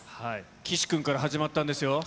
岸君から始まったんですよ。